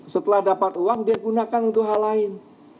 setelah dapat uang dia gunakan untuk hal lain